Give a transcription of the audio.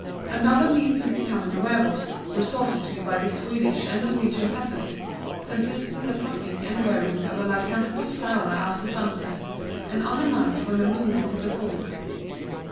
Another means of becoming a werwolf, resorted to by the Swedish and Norwegian peasant, consists in the plucking and wearing of a lycanthropous flower after sunset, and on a night when the moon is in the full.